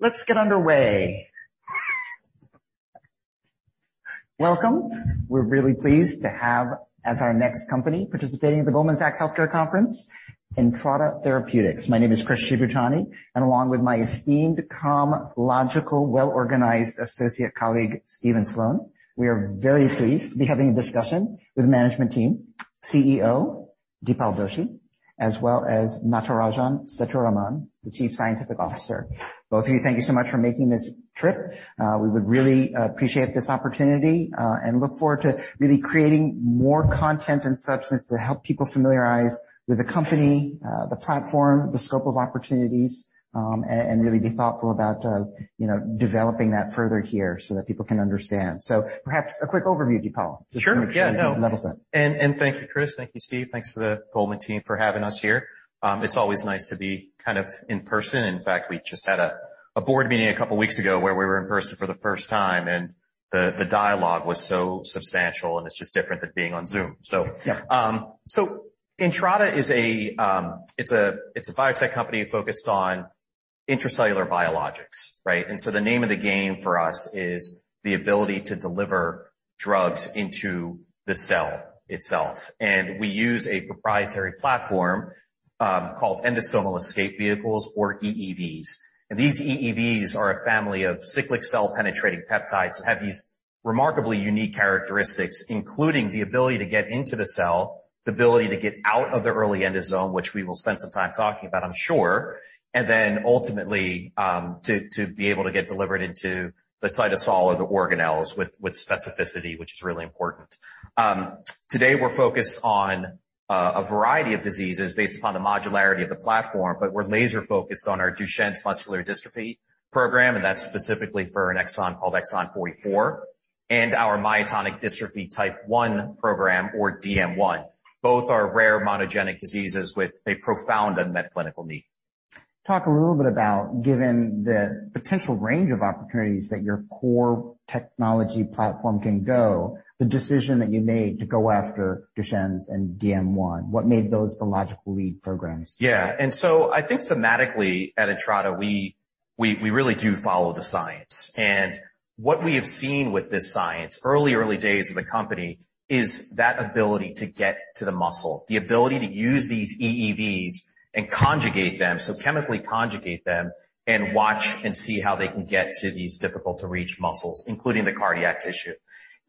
Let's get underway. Welcome. We're really pleased to have, as our next company participating at the Goldman Sachs Global Healthcare Conference, Entrada Therapeutics. My name is Chris Shibutani, and along with my esteemed, calm, logical, well-organized associate colleague, Steven Sloan, we are very pleased to be having a discussion with management team, CEO Dipal Doshi, as well as Natarajan Sethuraman, the Chief Scientific Officer. Both of you, thank you so much for making this trip. We would really appreciate this opportunity, and look forward to really creating more content and substance to help people familiarize with the company, the platform, the scope of opportunities, and really be thoughtful about, you know, developing that further here so that people can understand. Perhaps a quick overview, Dipal. Sure. Yeah, no. Just to make sure everybody levels in. Thank you, Chris. Thank you, Steve. Thanks to the Goldman team for having us here. It's always nice to be kind of in person. In fact, we just had a board meeting a couple weeks ago where we were in person for the first time, and the dialogue was so substantial, and it's just different than being on Zoom. Yeah. Entrada is a biotech company focused on intracellular biologics, right? The name of the game for us is the ability to deliver drugs into the cell itself. We use a proprietary platform called Endosomal Escape Vehicles, or EEVs. These EEVs are a family of cyclic cell-penetrating peptides that have these remarkably unique characteristics, including the ability to get into the cell, the ability to get out of the early endosome, which we will spend some time talking about, I'm sure, and then ultimately to be able to get delivered into the cytosol or the organelles with specificity, which is really important. Today we're focused on a variety of diseases based upon the modularity of the platform, but we're laser-focused on our Duchenne muscular dystrophy program, and that's specifically for an exon called Exon 44, and our myotonic dystrophy type 1 program, or DM1. Both are rare monogenic diseases with a profound unmet clinical need. Talk a little bit about, given the potential range of opportunities that your core technology platform can go, the decision that you made to go after Duchenne's and DM1, what made those the logical lead programs? Yeah. I think thematically at Entrada, we really do follow the science. What we have seen with this science, early days of the company, is that ability to get to the muscle, the ability to use these EEVs and conjugate them, so chemically conjugate them and watch and see how they can get to these difficult to reach muscles, including the cardiac tissue.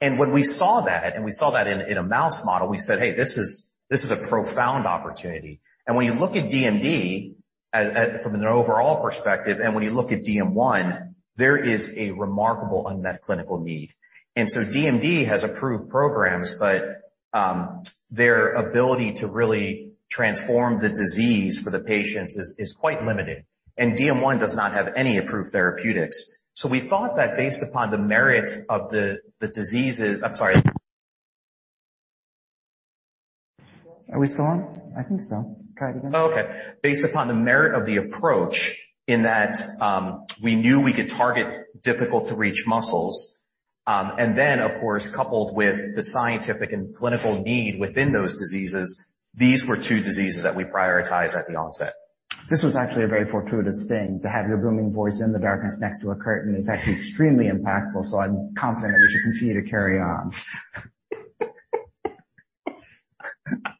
When we saw that in a mouse model, we said, "Hey, this is a profound opportunity." When you look at DMD from an overall perspective, and when you look at DM1, there is a remarkable unmet clinical need. DMD has approved programs, but their ability to really transform the disease for the patients is quite limited. DM1 does not have any approved therapeutics. We thought that based upon the merit of the diseases. I'm sorry. Are we still on? I think so. Try it again. Oh, okay. Based upon the merit of the approach in that, we knew we could target difficult to reach muscles, and then of course, coupled with the scientific and clinical need within those diseases, these were two diseases that we prioritized at the onset. This was actually a very fortuitous thing. To have your booming voice in the darkness next to a curtain is actually extremely impactful, so I'm confident that we should continue to carry on. Oh.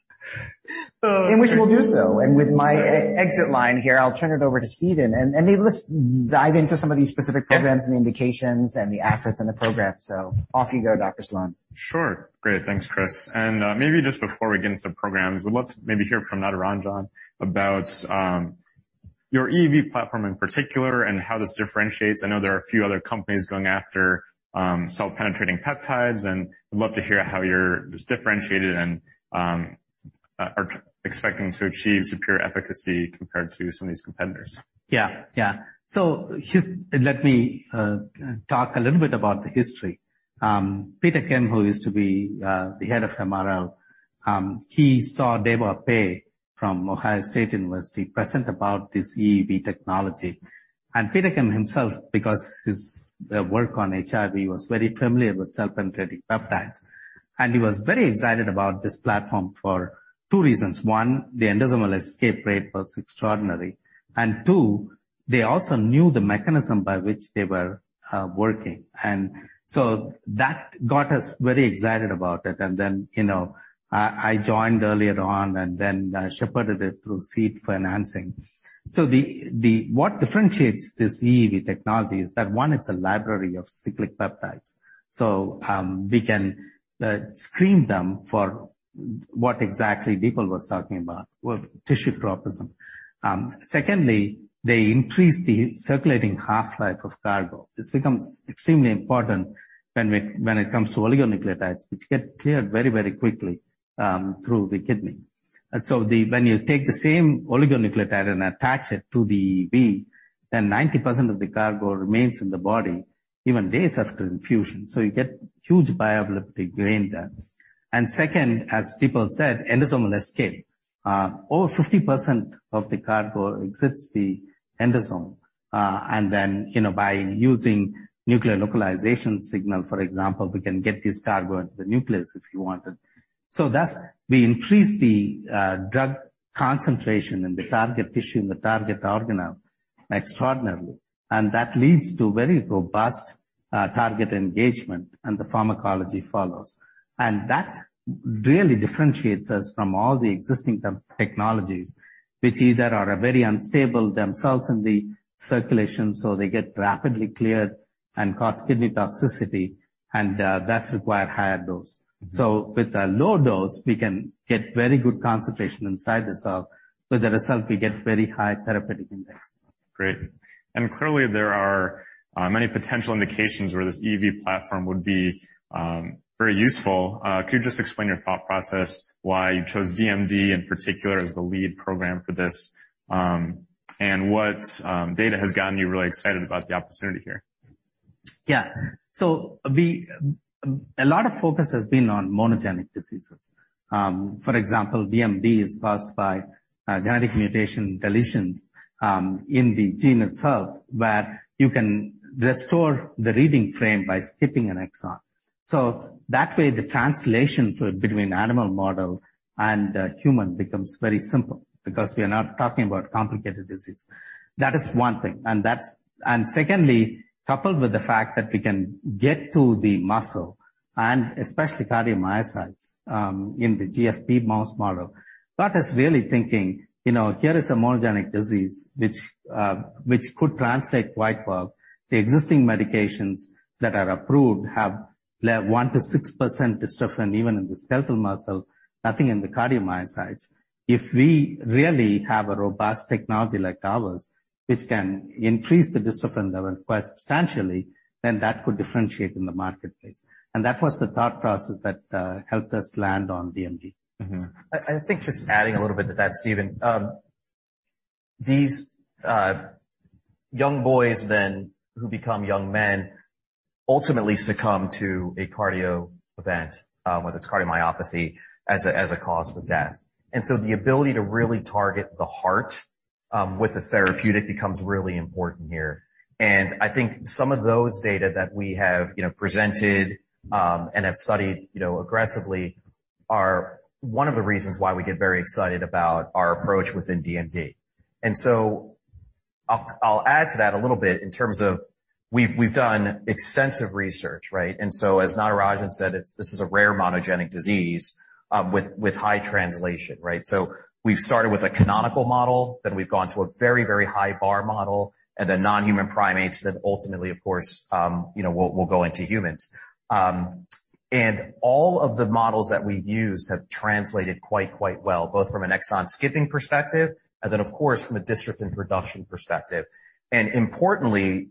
In which we'll do so. With my exit line here, I'll turn it over to Steven. Maybe let's dive into some of these specific programs and indications and the assets in the program. Off you go, Dr. Sloan. Sure. Great. Thanks, Chris. Maybe just before we get into the programs, we'd love to maybe hear from Natarajan about your EEV platform in particular and how this differentiates. I know there are a few other companies going after cell-penetrating peptides, and I'd love to hear how you're differentiated and are expecting to achieve superior efficacy compared to some of these competitors. Let me talk a little bit about the history. Peter S. Kim, who used to be the head of MRL, he saw Dehua Pei from The Ohio State University present about this EEV technology. Peter S. Kim himself, because his work on HIV, was very familiar with cell-penetrating peptides. He was very excited about this platform for two reasons. One, the endosomal escape rate was extraordinary. Two, they also knew the mechanism by which they were working. That got us very excited about it. I joined earlier on and shepherded it through seed financing. What differentiates this EEV technology is that one, it's a library of cyclic peptides. We can screen them for what exactly Dipal was talking about, with tissue tropism. Secondly, they increase the circulating half-life of cargo. This becomes extremely important when it comes to oligonucleotides, which get cleared very, very quickly, through the kidney. When you take the same oligonucleotide and attach it to the EEV, then 90% of the cargo remains in the body even days after infusion. You get huge bioavailability gained there. Second, as Dipal said, endosomal escape. Over 50% of the cargo exits the endosome. By using nuclear localization signal, for example, we can get this cargo into the nucleus if you wanted. Thus we increase the drug concentration in the target tissue, in the target organelle extraordinarily. That leads to very robust target engagement, and the pharmacology follows. That really differentiates us from all the existing tech, technologies which either are very unstable themselves in the circulation, so they get rapidly cleared and cause kidney toxicity, and thus require higher dose. With a low dose, we can get very good concentration inside the cell. With the result, we get very high therapeutic index. Great. Clearly, there are many potential indications where this EEV platform would be very useful. Could you just explain your thought process why you chose DMD in particular as the lead program for this? And what data has gotten you really excited about the opportunity here? A lot of focus has been on monogenic diseases. For example, DMD is caused by genetic mutation deletions in the gene itself, where you can restore the reading frame by skipping an exon. That way the translation between animal model and human becomes very simple because we are not talking about complicated disease. That is one thing. Secondly, coupled with the fact that we can get to the muscle and especially cardiomyocytes in the GFP mouse model. That is really thinking, you know, here is a monogenic disease which could translate quite well. The existing medications that are approved have 1%-6% dystrophin, even in the skeletal muscle, nothing in the cardiomyocytes. If we really have a robust technology like ours, which can increase the dystrophin level quite substantially, then that could differentiate in the marketplace. That was the thought process that helped us land on DMD. Mm-hmm. I think just adding a little bit to that, Steven. These young boys then who become young men ultimately succumb to a cardio event, whether it's cardiomyopathy as a cause of death. The ability to really target the heart with a therapeutic becomes really important here. I think some of those data that we have, you know, presented and have studied, you know, aggressively are one of the reasons why we get very excited about our approach within DMD. I'll add to that a little bit in terms of we've done extensive research, right? As Natarajan said, it's this is a rare monogenic disease with high translation, right? We've started with a canonical model, then we've gone to a very high bar model, and then non-human primates. Ultimately, of course, you know, we'll go into humans. All of the models that we've used have translated quite well, both from an exon skipping perspective and then, of course, from a dystrophin production perspective. Importantly,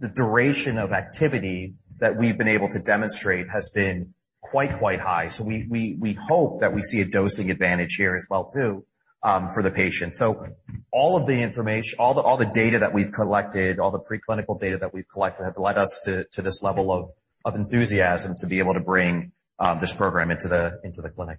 the duration of activity that we've been able to demonstrate has been quite high. We hope that we see a dosing advantage here as well too, for the patient. All of the information, all the data that we've collected, all the preclinical data that we've collected have led us to this level of enthusiasm to be able to bring this program into the clinic.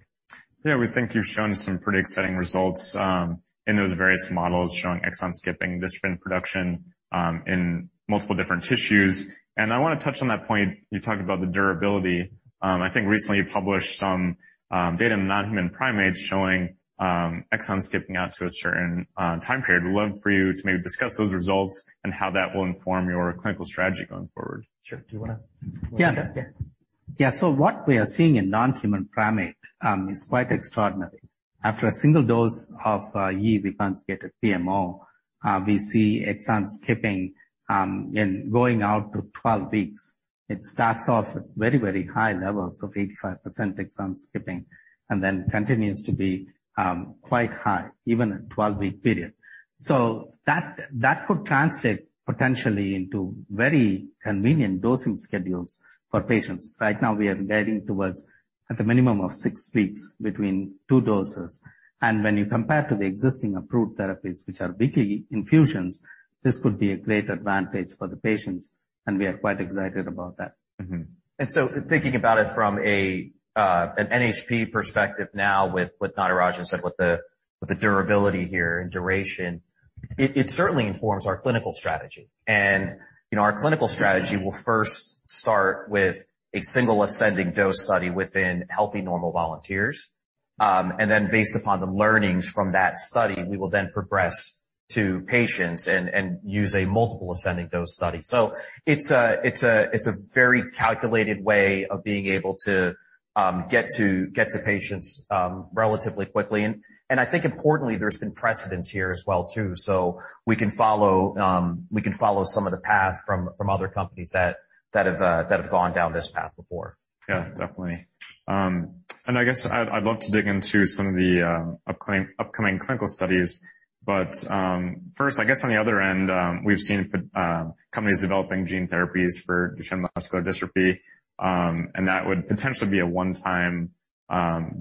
Yeah, we think you've shown some pretty exciting results in those various models showing exon skipping dystrophin production in multiple different tissues. I wanna touch on that point. You talked about the durability. I think recently you published some data in non-human primates showing exon skipping out to a certain time period. We'd love for you to maybe discuss those results and how that will inform your clinical strategy going forward. Sure. Do you wanna- Yeah. Okay. Yeah. What we are seeing in non-human primate is quite extraordinary. After a single dose of lyo reconstituted PMO, we see exon skipping going out to 12 weeks. It starts off at very, very high levels of 85% exon skipping and then continues to be quite high even at 12-week period. That could translate potentially into very convenient dosing schedules for patients. Right now we are guiding towards at a minimum of six weeks between two doses. When you compare to the existing approved therapies which are weekly infusions, this could be a great advantage for the patients, and we are quite excited about that. Thinking about it from an NHP perspective now, with what Natarajan said, with the durability here and duration, it certainly informs our clinical strategy. You know, our clinical strategy will first start with a single ascending dose study within healthy normal volunteers. Then based upon the learnings from that study, we will progress to patients and use a multiple ascending dose study. It's a very calculated way of being able to get to patients relatively quickly. I think importantly, there's been precedents here as well too. We can follow some of the path from other companies that have gone down this path before. Yeah, definitely. I guess I'd love to dig into some of the upcoming clinical studies. First, I guess on the other end, we've seen companies developing gene therapies for Duchenne muscular dystrophy, and that would potentially be a one-time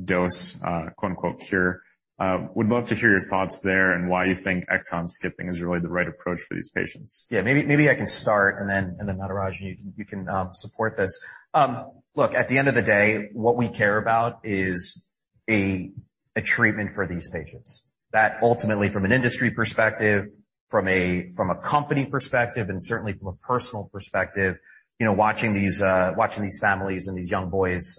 dose, quote-unquote, cure. Would love to hear your thoughts there and why you think exon skipping is really the right approach for these patients. Yeah, maybe I can start and then Natarajan, you can support this. Look, at the end of the day, what we care about is a treatment for these patients that ultimately from an industry perspective. From a company perspective and certainly from a personal perspective, you know, watching these families and these young boys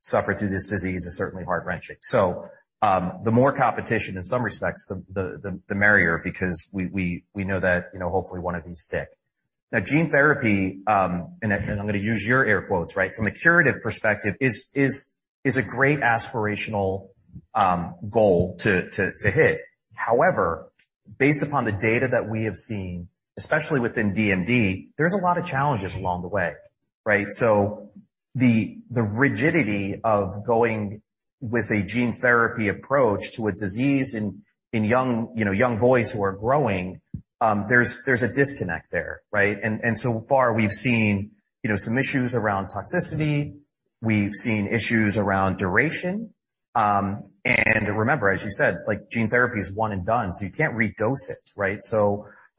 suffer through this disease is certainly heart-wrenching. So, the more competition in some respects, the merrier because we know that, you know, hopefully, one of these stick. Now, gene therapy and I'm gonna use your air quotes, right? From a curative perspective is a great aspirational goal to hit. However, based upon the data that we have seen, especially within DMD, there's a lot of challenges along the way, right? The rigidity of going with a gene therapy approach to a disease in young, you know, young boys who are growing, there's a disconnect there, right? So far, we've seen, you know, some issues around toxicity. We've seen issues around duration. Remember, as you said, like, gene therapy is one and done, so you can't redose it, right?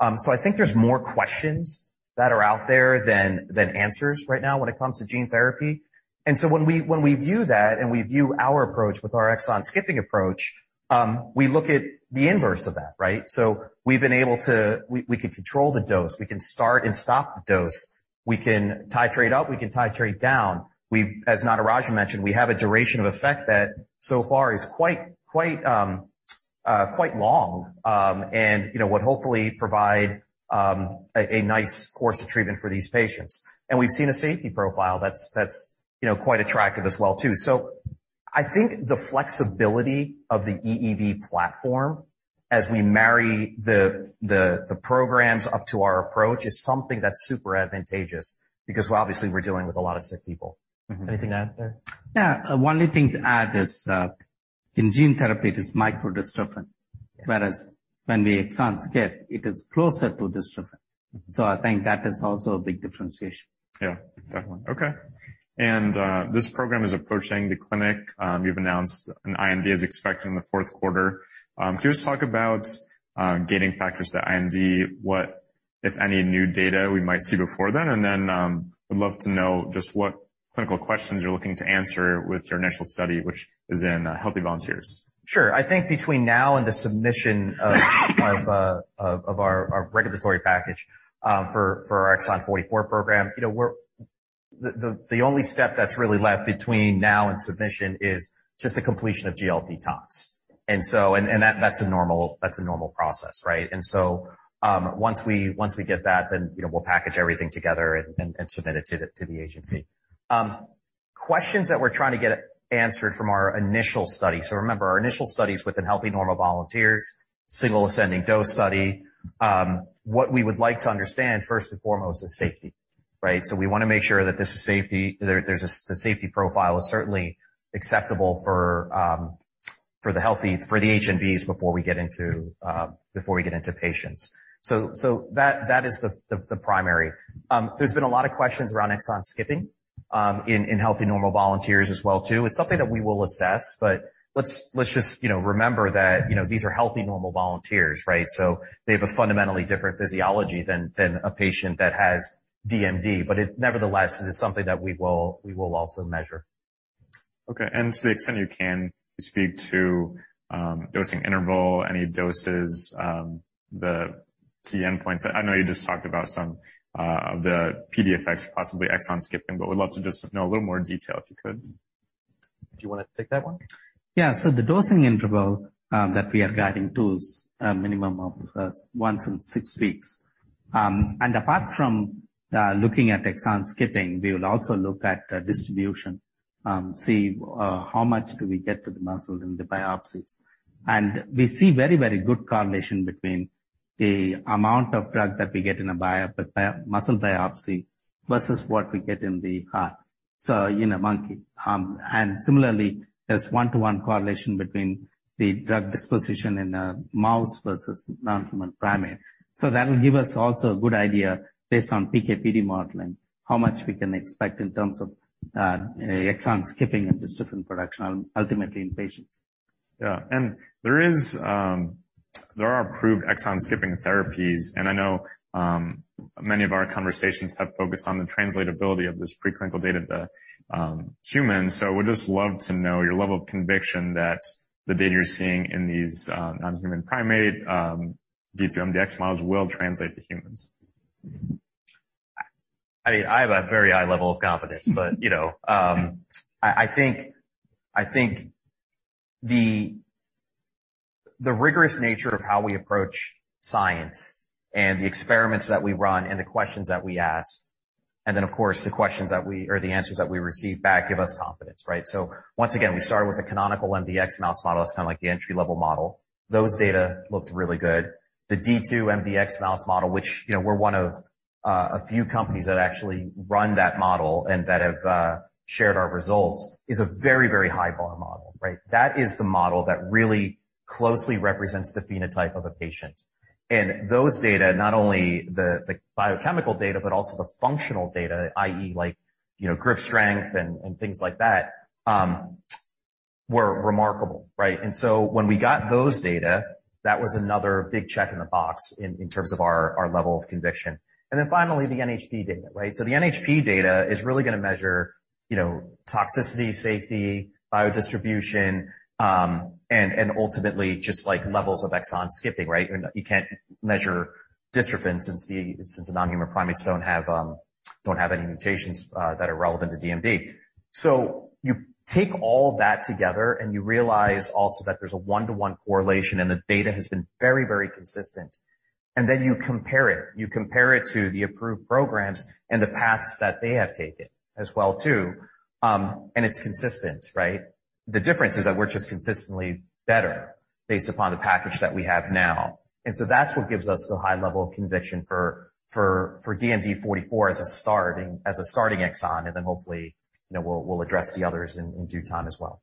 I think there's more questions that are out there than answers right now when it comes to gene therapy. When we view that, and we view our approach with our exon skipping approach, we look at the inverse of that, right? We've been able to. We can control the dose. We can start and stop the dose. We can titrate up, we can titrate down. We As Natarajan mentioned, we have a duration of effect that so far is quite long. You know, would hopefully provide a nice course of treatment for these patients. We've seen a safety profile that's you know, quite attractive as well too. I think the flexibility of the EEV platform as we marry the programs up to our approach is something that's super advantageous because obviously we're dealing with a lot of sick people. Anything to add there? Yeah. One thing to add is, in gene therapy it is microdystrophin, whereas when we exon skip it is closer to dystrophin. I think that is also a big differentiation. Yeah, definitely. Okay. This program is approaching the clinic. You've announced an IND is expected in the fourth quarter. Can you just talk about gaining factors to IND, what, if any, new data we might see before then? Then, I'd love to know just what clinical questions you're looking to answer with your initial study, which is in healthy volunteers. Sure. I think between now and the submission of our regulatory package for our Exon 44 program, you know, we're. The only step that's really left between now and submission is just the completion of GLP tox. That that's a normal process, right? Once we get that, then, you know, we'll package everything together and submit it to the agency. Questions that we're trying to get answered from our initial study. Remember, our initial study is within healthy normal volunteers, single ascending dose study. What we would like to understand first and foremost is safety, right? We wanna make sure that this is safety. The safety profile is certainly acceptable for the HNVs before we get into patients. That is the primary. There's been a lot of questions around exon skipping in healthy normal volunteers as well too. It's something that we will assess, but let's just, you know, remember that, you know, these are healthy normal volunteers, right? They have a fundamentally different physiology than a patient that has DMD. But it nevertheless is something that we will also measure. Okay. To the extent you can, could you speak to, dosing interval, any doses, the key endpoints? I know you just talked about some of the PD effects, possibly exon skipping, but we'd love to just know a little more detail, if you could. Do you wanna take that one? Yeah. The dosing interval that we are guiding to is a minimum of once in 6 weeks. Apart from looking at exon skipping, we will also look at distribution, see how much do we get to the muscle in the biopsies. We see very, very good correlation between the amount of drug that we get in a muscle biopsy versus what we get in the, so in a monkey. Similarly, there's 1-to-1 correlation between the drug disposition in a mouse versus non-human primate. That'll give us also a good idea based on PK/PD modeling, how much we can expect in terms of exon skipping and dystrophin production ultimately in patients. Yeah. There are approved exon skipping therapies, and I know many of our conversations have focused on the translatability of this preclinical data to humans. Would just love to know your level of conviction that the data you're seeing in these non-human primate D2-mdx models will translate to humans. I mean, I have a very high level of confidence. You know, I think the rigorous nature of how we approach science and the experiments that we run and the questions that we ask, and then of course the questions that we or the answers that we receive back give us confidence, right? Once again, we started with a canonical mdx mouse model. It's kind of like the entry-level model. Those data looked really good. The D2-mdx mouse model, which, you know, we're one of a few companies that actually run that model and that have shared our results is a very, very high bar model, right? That is the model that really closely represents the phenotype of a patient. Those data, not only the biochemical data, but also the functional data, i.e., like, you know, grip strength and things like that, were remarkable, right? When we got those data, that was another big check in the box in terms of our level of conviction. Finally, the NHP data, right? The NHP data is really gonna measure, you know, toxicity, safety, biodistribution, and ultimately just like levels of exon skipping, right? You know, you can't measure dystrophin since the non-human primates don't have any mutations that are relevant to DMD. You take all that together, and you realize also that there's a one-to-one correlation and the data has been very, very consistent. Then you compare it to the approved programs and the paths that they have taken as well too, and it's consistent, right? The difference is that we're just consistently better based upon the package that we have now. That's what gives us the high level of conviction for DMD 44 as a starting exon, and then hopefully, you know, we'll address the others in due time as well.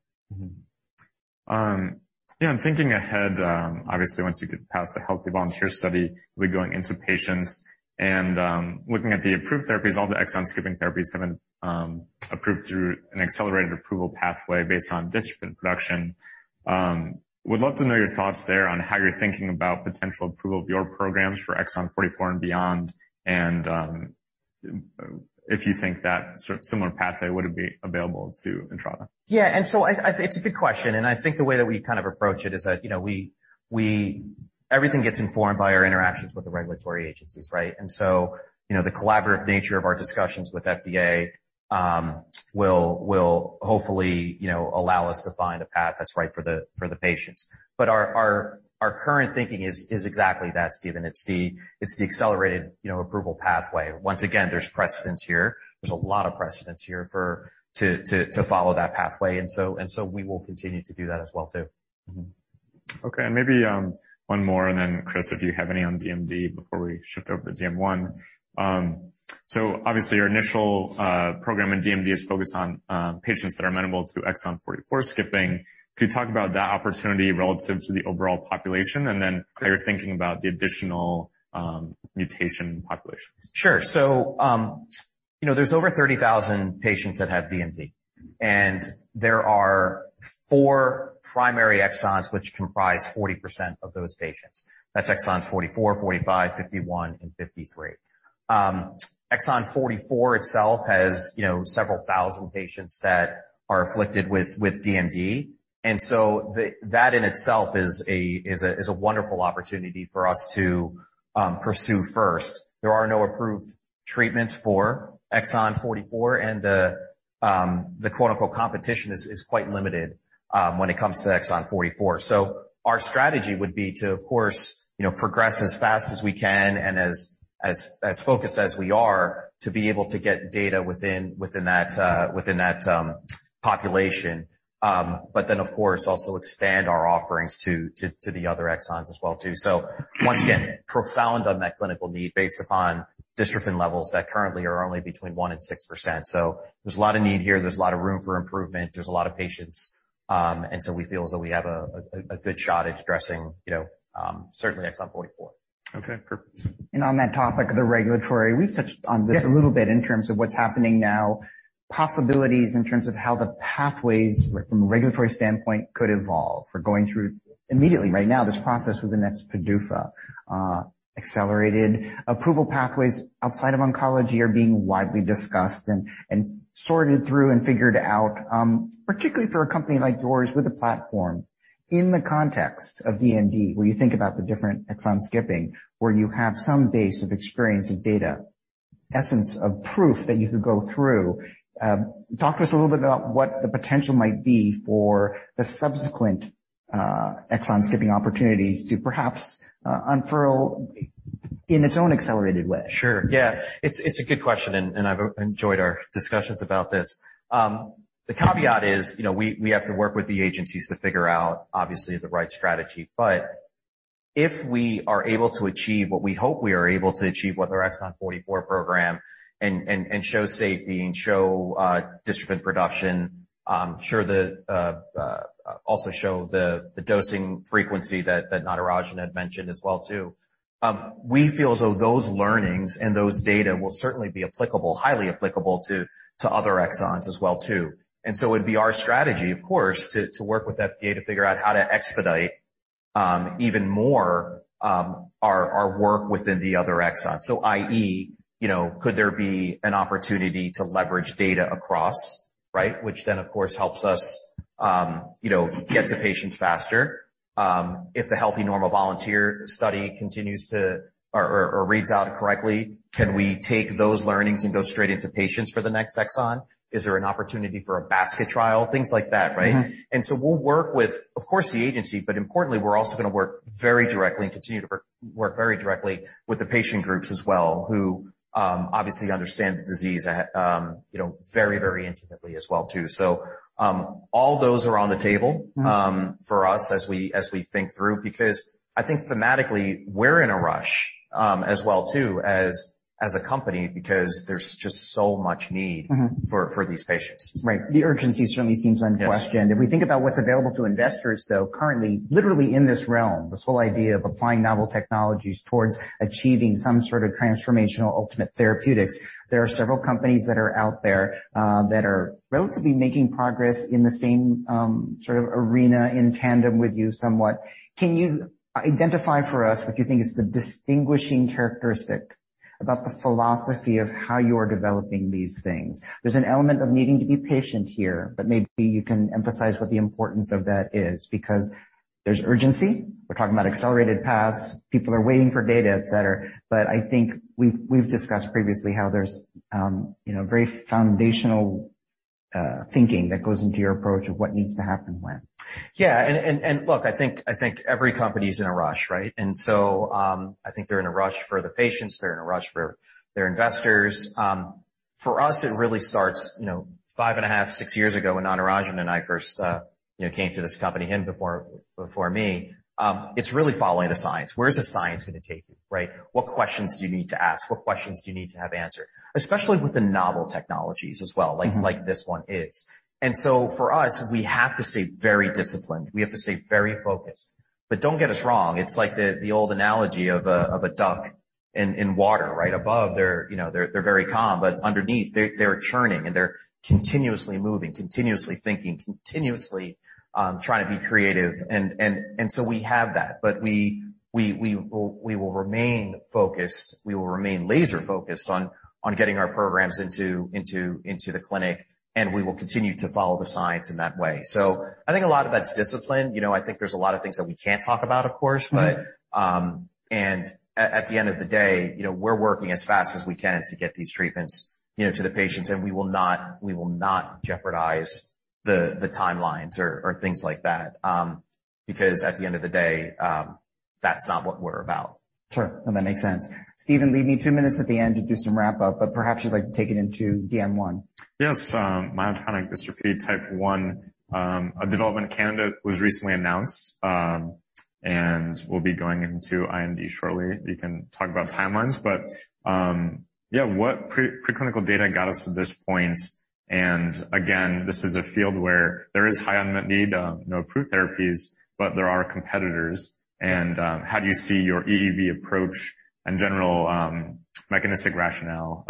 Thinking ahead, obviously once you get past the healthy volunteer study, we're going into patients and looking at the approved therapies, all the exon skipping therapies have been approved through an Accelerated Approval Program based on dystrophin production. Would love to know your thoughts there on how you're thinking about potential approval of your programs for Exon 44 and beyond, and if you think that similar pathway would be available to Entrada? It's a good question, and I think the way that we kind of approach it is that, you know, everything gets informed by our interactions with the regulatory agencies, right? The collaborative nature of our discussions with FDA will hopefully, you know, allow us to find a path that's right for the patients. Our current thinking is exactly that, Steven. It's the accelerated, you know, approval pathway. Once again, there's precedent here. There's a lot of precedent here for to follow that pathway, and so we will continue to do that as well too. Maybe one more, and then Chris, if you have any on DMD before we shift over to DM1. Obviously, your initial program in DMD is focused on patients that are amenable to Exon 44 skipping. Could you talk about that opportunity relative to the overall population, and then how you're thinking about the additional mutation populations? Sure. You know, there's over 30,000 patients that have DMD, and there are four primary exons which comprise 40% of those patients. That's Exons 44, 45, 51, and 53. Exon 44 itself has, you know, several thousand patients that are afflicted with DMD. That in itself is a wonderful opportunity for us to pursue first. There are no approved treatments for Exon 44 and the quote-unquote competition is quite limited when it comes to Exon 44. Our strategy would be to, of course, you know, progress as fast as we can and as focused as we are to be able to get data within that population. Of course, also expand our offerings to the other exons as well too. Once again, profound unmet clinical need based upon dystrophin levels that currently are only between 1% and 6%. There's a lot of need here. There's a lot of room for improvement. There's a lot of patients. We feel as though we have a good shot at addressing, you know, certainly Exon 44. Okay, perfect. On that topic of the regulatory, we've touched on this. Yeah. A little bit in terms of what's happening now, possibilities in terms of how the pathways from a regulatory standpoint could evolve. We're going through immediately right now this process with the next PDUFA, accelerated approval pathways outside of oncology are being widely discussed and sorted through and figured out, particularly for a company like yours with a platform. In the context of DMD, where you think about the different exon skipping, where you have some base of experience and data, essence of proof that you could go through, talk to us a little bit about what the potential might be for the subsequent, exon skipping opportunities to perhaps, unfurl in its own accelerated way. Sure. Yeah. It's a good question, and I've enjoyed our discussions about this. The caveat is, you know, we have to work with the agencies to figure out obviously the right strategy. If we are able to achieve what we hope we are able to achieve with our Exon 44 program and show safety and show dystrophin production, and also show the dosing frequency that Natarajan had mentioned as well too, we feel as though those learnings and those data will certainly be applicable, highly applicable to other exons as well too. It'd be our strategy, of course, to work with the FDA to figure out how to expedite even more our work within the other exons. i.e., you know, could there be an opportunity to leverage data across, right? Which then of course helps us, you know, get to patients faster. If the healthy normal volunteer study continues to or reads out correctly, can we take those learnings and go straight into patients for the next exon? Is there an opportunity for a basket trial? Things like that, right? Mm-hmm. We'll work with, of course, the agency, but importantly, we're also gonna work very directly and continue to work very directly with the patient groups as well, who obviously understand the disease, you know, very, very intimately as well too. All those are on the table. Mm-hmm. For us as we think through, because I think thematically, we're in a rush, as well, too, as a company, because there's just so much need. Mm-hmm. for these patients. Right. The urgency certainly seems unquestioned. Yes. If we think about what's available to investors, though, currently, literally in this realm, this whole idea of applying novel technologies towards achieving some sort of transformational ultimate therapeutics, there are several companies that are out there, that are relatively making progress in the same, sort of arena in tandem with you somewhat. Can you identify for us what you think is the distinguishing characteristic about the philosophy of how you're developing these things? There's an element of needing to be patient here, but maybe you can emphasize what the importance of that is because there's urgency. We're talking about accelerated paths. People are waiting for data, et cetera. But I think we've discussed previously how there's, you know, very foundational, thinking that goes into your approach of what needs to happen when. Yeah. Look, I think every company is in a rush, right? I think they're in a rush for the patients, they're in a rush for their investors. For us, it really starts, you know, 5.5-6 years ago, when Natarajan and I first, you know, came to this company, him before me. It's really following the science. Where is the science gonna take you, right? What questions do you need to ask? What questions do you need to have answered? Especially with the novel technologies as well. Mm-hmm. Like this one is. For us, we have to stay very disciplined. We have to stay very focused. Don't get us wrong, it's like the old analogy of a duck in water right above. They're, you know, very calm, but underneath they're churning and they're continuously moving, continuously thinking, continuously trying to be creative. We have that. We will remain focused. We will remain laser focused on getting our programs into the clinic, and we will continue to follow the science in that way. I think a lot of that's discipline. You know, I think there's a lot of things that we can't talk about, of course. Mm-hmm. at the end of the day, you know, we're working as fast as we can to get these treatments, you know, to the patients. We will not jeopardize the timelines or things like that. Because at the end of the day, that's not what we're about. Sure. No, that makes sense. Steven, leave me two minutes at the end to do some wrap up, but perhaps you'd like to take it into DM1. Yes. Myotonic Dystrophy Type 1, a development candidate was recently announced, and we'll be going into IND shortly. You can talk about timelines, but yeah, what preclinical data got us to this point? Again, this is a field where there is high unmet need, no approved therapies, but there are competitors. How do you see your EEV approach and general, mechanistic rationale,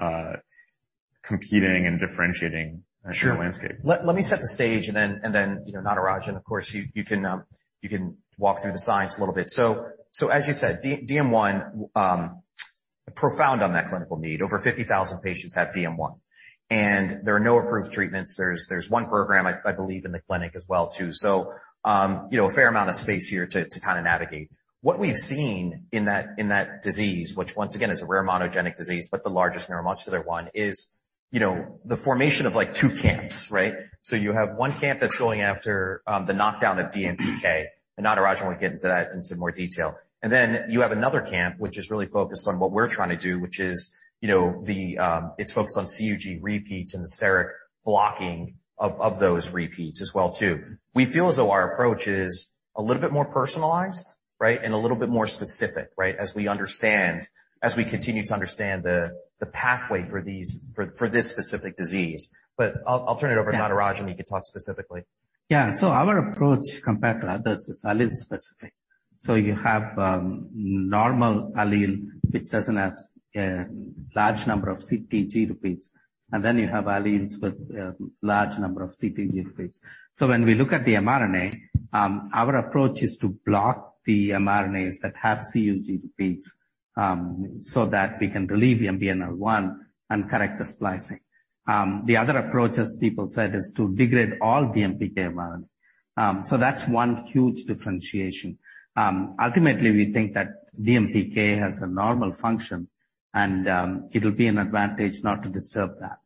competing and differentiating- Sure. In the landscape? Let me set the stage and then, you know, Natarajan, of course you can walk through the science a little bit. As you said, DM1, profound unmet clinical need. Over 50,000 patients have DM1, and there are no approved treatments. There's one program I believe in the clinic as well too. You know, a fair amount of space here to kind of navigate. What we've seen in that disease, which once again is a rare monogenic disease, but the largest neuromuscular one is, you know, the formation of like two camps, right? You have one camp that's going after the knockdown of DMPK, and Natarajan will get into that into more detail. You have another camp, which is really focused on what we're trying to do, which is, you know, the. It's focused on CUG repeats and the steric blocking of those repeats as well too. We feel as though our approach is a little bit more personalized, right, and a little bit more specific, right, as we understand, as we continue to understand the pathway for these, for this specific disease. But I'll turn it over to Natarajan. You could talk specifically. Yeah. Our approach compared to others is allele-specific. You have a normal allele which doesn't have a large number of CTG repeats, and then you have alleles with a large number of CTG repeats. When we look at the mRNA, our approach is to block the mRNAs that have CUG repeats, so that we can relieve MBNL1 and correct the splicing. The other approaches people said is to degrade all DMPK mRNA. That's one huge differentiation. Ultimately we think that DMPK has a normal function and it'll be an advantage not to disturb that.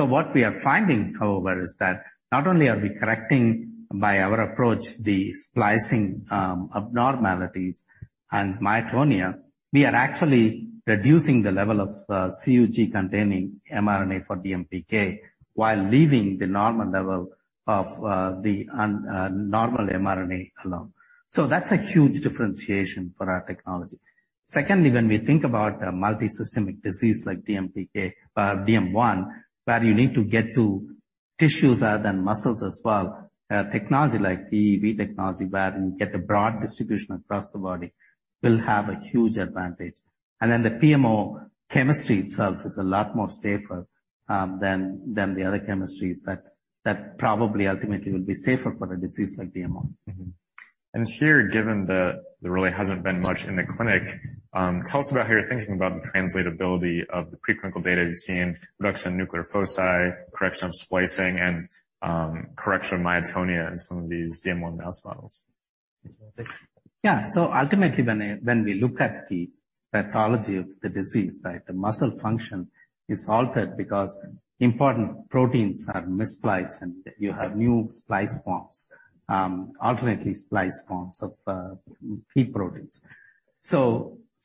What we are finding, however, is that not only are we correcting by our approach the splicing abnormalities and myotonia, we are actually reducing the level of CUG containing mRNA for DMPK while leaving the normal level of the normal mRNA alone. That's a huge differentiation for our technology. Secondly, when we think about a multisystemic disease like DMPK, DM one, where you need to get to tissues other than muscles as well, a technology like EEV technology where you get a broad distribution across the body will have a huge advantage. The PMO chemistry itself is a lot more safer than the other chemistries that probably ultimately will be safer for a disease like DM one. Mm-hmm. Here, given that there really hasn't been much in the clinic, tell us about how you're thinking about the translatability of the preclinical data you've seen, reduction in nuclear foci, correction of splicing, and correction of myotonia in some of these DM1 mouse models. Yeah. Ultimately when we look at the pathology of the disease, right, the muscle function is altered because important proteins are mis-spliced and you have new splice forms, alternative splice forms of key proteins.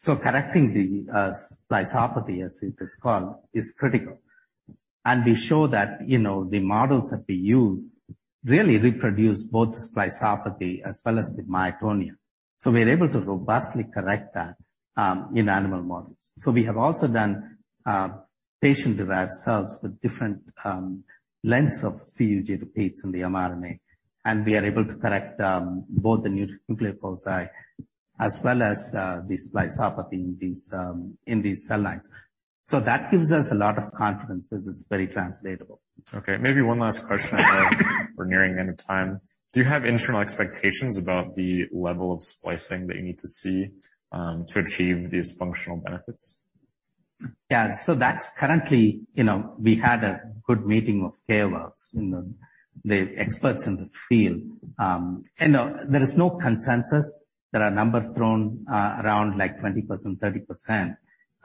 Correcting the spliceopathy, as it is called, is critical. We show that, you know, the models that we use really reproduce both spliceopathy as well as the myotonia. We're able to robustly correct that in animal models. We have also done patient-derived cells with different lengths of CUG repeats in the mRNA, and we are able to correct both the nuclear foci as well as the spliceopathy in these cell lines. That gives us a lot of confidence this is very translatable. Okay, maybe one last question. We're nearing the end of time. Do you have internal expectations about the level of splicing that you need to see, to achieve these functional benefits? Yeah. That's currently, you know, we had a good meeting of KOLs, you know, the experts in the field. There is no consensus. There are a number thrown around like 20%,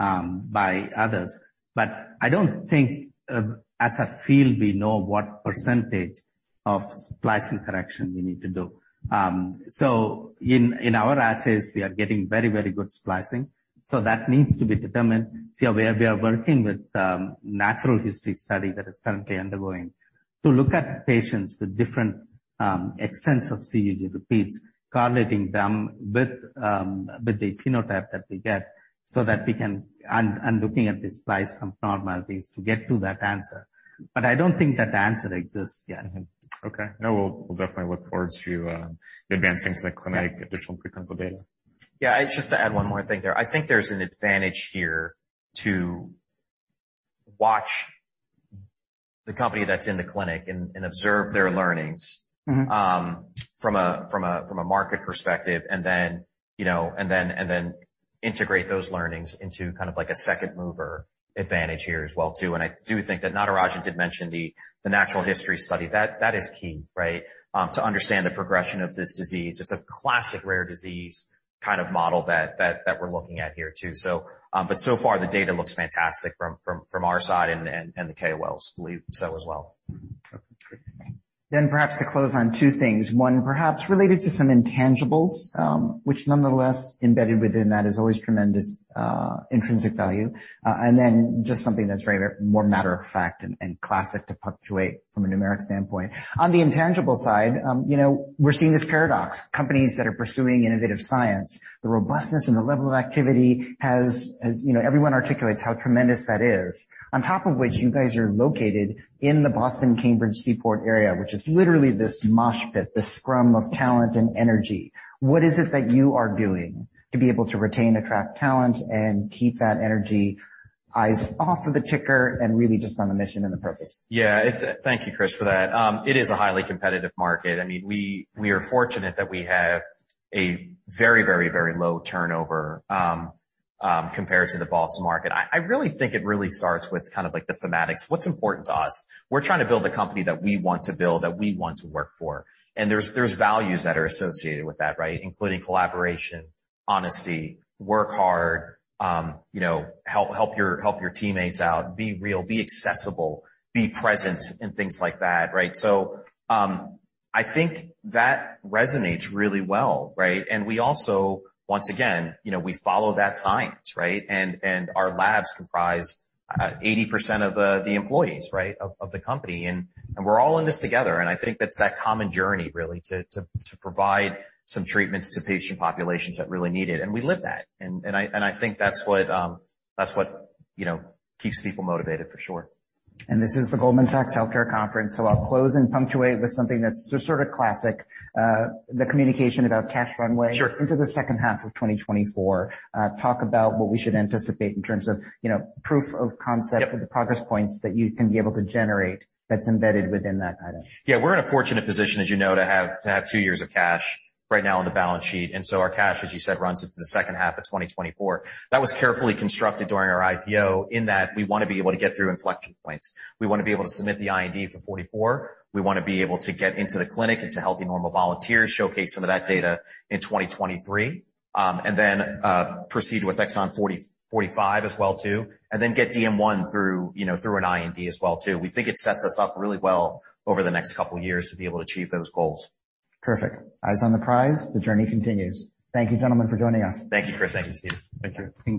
30% by others. I don't think, as a field we know what percentage of splicing correction we need to do. In our assays, we are getting very, very good splicing. That needs to be determined. Yeah, we are working with natural history study that is currently undergoing to look at patients with different extents of CUG repeats, correlating them with the phenotype that we get so that we can, and looking at the splicing isoforms to get to that answer. I don't think that the answer exists yet. Okay. No, we'll definitely look forward to advancing to the clinic additional preclinical data. Yeah. Just to add one more thing there. I think there's an advantage here to watch the company that's in the clinic and observe their learnings. Mm-hmm From a market perspective and then, you know, integrate those learnings into kind of like a second mover advantage here as well too. I do think that Natarajan did mention the natural history study. That is key, right? To understand the progression of this disease. It's a classic rare disease kind of model that we're looking at here too. But so far, the data looks fantastic from our side and the KOLs believe so as well. Okay, great. Perhaps to close on two things. One, perhaps related to some intangibles, which nonetheless embedded within that is always tremendous, intrinsic value. Just something that's very more matter of fact and classic to punctuate from a numeric standpoint. On the intangible side, you know, we're seeing this paradox. Companies that are pursuing innovative science, the robustness and the level of activity has, you know, everyone articulates how tremendous that is. On top of which, you guys are located in the Boston-Cambridge Seaport area, which is literally this mosh pit, this scrum of talent and energy. What is it that you are doing to be able to retain, attract talent and keep that energy eyes off of the ticker and really just on the mission and the purpose? Thank you, Chris, for that. It is a highly competitive market. I mean, we are fortunate that we have a very low turnover compared to the Boston market. I really think it starts with kind of like the thematics. What's important to us? We're trying to build a company that we want to build, that we want to work for. There's values that are associated with that, right? Including collaboration, honesty, work hard, you know, help your teammates out, be real, be accessible, be present, and things like that, right? I think that resonates really well, right? We also, once again, you know, we follow that science, right? Our labs comprise 80% of the employees, right? Of the company. We're all in this together, and I think that's the common journey really to provide some treatments to patient populations that really need it. We live that. I think that's what, you know, keeps people motivated for sure. This is the Goldman Sachs Healthcare Conference, so I'll close and punctuate with something that's just sort of classic. The communication about cash runway- Sure Into the second half of 2024. Talk about what we should anticipate in terms of, you know, proof of concept. Yep The progress points that you can be able to generate that's embedded within that item. Yeah. We're in a fortunate position, as you know, to have 2 years of cash right now on the balance sheet. Our cash, as you said, runs into the second half of 2024. That was carefully constructed during our IPO in that we wanna be able to get through inflection points. We wanna be able to submit the IND for 44. We wanna be able to get into the clinic, into healthy normal volunteers, showcase some of that data in 2023. Proceed with Exon 44, 45 as well too, and then get DM1 through, you know, an IND as well too. We think it sets us up really well over the next couple years to be able to achieve those goals. Perfect. Eyes on the prize. The journey continues. Thank you, gentlemen, for joining us. Thank you, Chris. Thank you.